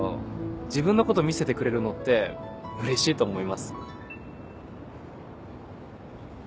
自分のこと見せてくれるのってうれしいと思います。